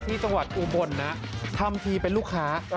จังหวัดอุบลนะทำทีเป็นลูกค้า